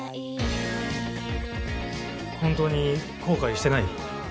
本当に後悔してない？